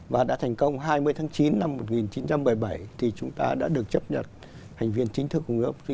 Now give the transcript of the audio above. và đã thành công hai mươi tháng chín năm một nghìn chín trăm bảy mươi bảy thì chúng ta đã được chấp nhận thành viên chính thức của người